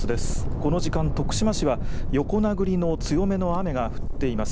この時間、徳島市は横殴りの強めの雨が降っています。